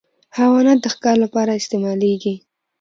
حیوانات د ښکار لپاره استعمالېږي.